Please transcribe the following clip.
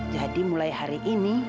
jadi mulai hari ini